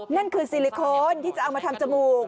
นั่นคือซิลิโคนที่จะเอามาทำจมูก